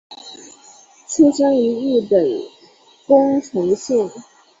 出生于日本宫城县。